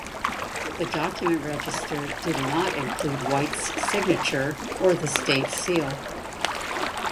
The document registered did not include White's signature or the State Seal.